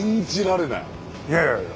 いやいやいや